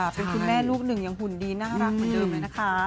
เป็นคุณแม่ลูกหนึ่งยังหุ่นดีน่ารักเหมือนเดิมเลยนะคะ